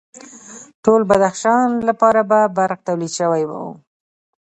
ټول بدخشان لپاره به برق تولید شوی و